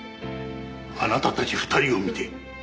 あなたたち２人を見て。